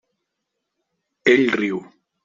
Ell riu.